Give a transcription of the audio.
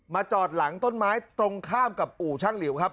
จอดหลังต้นไม้ตรงข้ามกับอู่ช่างหลิวครับ